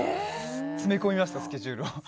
詰め込みました、スケジュール。